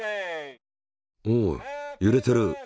おおゆれてる。